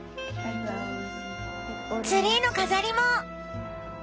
ツリーの飾りも。